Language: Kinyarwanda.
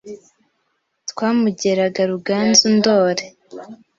Twamugeraga Ruganzu ndori